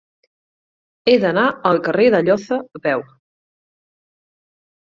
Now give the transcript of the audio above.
He d'anar al carrer d'Alloza a peu.